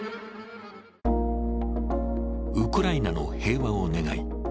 ウクライナの平和を願い